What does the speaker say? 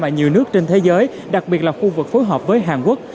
nhưng cũng của các nước trên thế giới đặc biệt là khu vực phối hợp với hàn quốc